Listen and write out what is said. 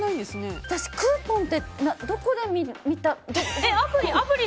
クーポンってどこで見たら。